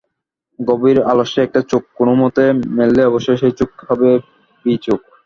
গভীর আলস্যে একটা চোখ কোনোমতে মেললেন-অবশ্যই সেই চোখ হবে-বী চোখ।